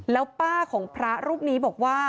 แล้วพระอุ๋ยของพระรุ่ปนี้บอกว่า